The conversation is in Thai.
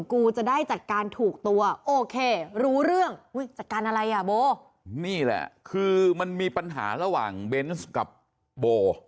กูจะได้จัดการถูกตัวโอเครู้เรื่องอุ้ยจัดการอะไรอ่ะโบนี่แหละคือมันมีปัญหาระหว่างเบนส์กับโบ